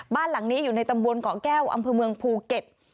บ้านหลังนี้อยู่ในตำบลเกาะแก้วอำเภอเมืองภูเก็ต